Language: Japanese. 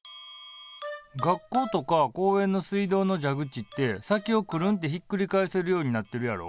学校とか公園の水道の蛇口って先をくるんってひっくり返せるようになってるやろ？